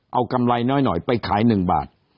เอากำไรน้อยไปขาย๑บาท